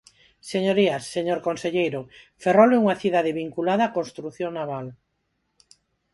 Señorías, señor conselleiro, Ferrol é unha cidade vinculada á construción naval.